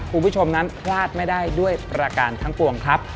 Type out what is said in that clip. คุณผู้ชมนั้นพลาดไม่ได้ด้วยประการทั้งปวงครับ